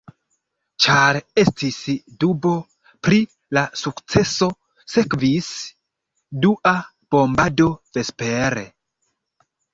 Ĉar estis dubo pri la sukceso, sekvis dua bombado vespere.